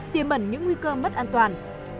tiếm ẩn những nguy cơ mất an toàn